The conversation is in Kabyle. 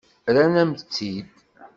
Rrant-am-tt-id.